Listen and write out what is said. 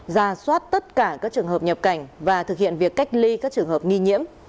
ra soát tất cả các trường hợp nhập cảnh và thực hiện việc cách ly các trường hợp nghi nhiễm